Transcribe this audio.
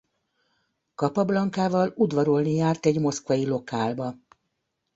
Capablancával udvarolni járt egy moszkvai lokálba.